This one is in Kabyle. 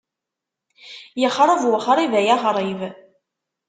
Yexreb wexrib ay aɣrib.